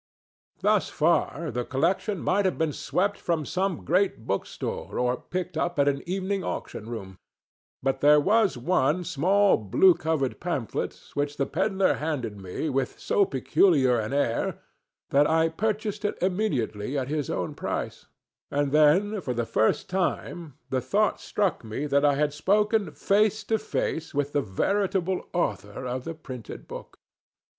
Thus far the collection might have been swept from some great bookstore or picked up at an evening auction room, but there was one small blue covered pamphlet which the pedler handed me with so peculiar an air that I purchased it immediately at his own price; and then for the first time the thought struck me that I had spoken face to face with the veritable author of a printed book.